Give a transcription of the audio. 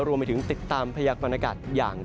รวมไปถึงติดตามพยายามพ